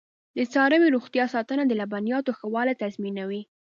د څارویو روغتیا ساتنه د لبنیاتو ښه والی تضمینوي.